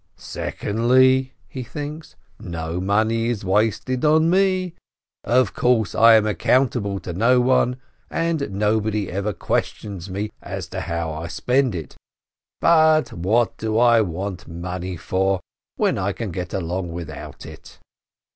"Secondly" (he thinks), "no money is wasted on me. Of course, I am accountable to no one, and nobody ever questions me as to how I spend it, but what do I want money for, when I can get along without it